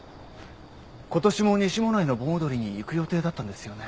ことしも西馬音内の盆踊りに行く予定だったんですよね？